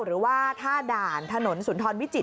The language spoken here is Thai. หรือว่าท่าด่านถนนสุนทรวิจิต